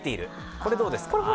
これどうですか？